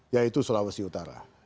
yaitu sulawesi utara